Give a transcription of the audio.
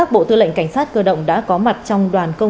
bộ tư lệnh cảnh sát cơ động